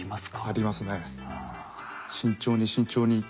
ありますね。